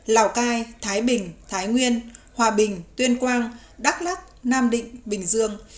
lào cai thái bình thái nguyên hòa bình tuyên quang đắk lắc nam định bình dương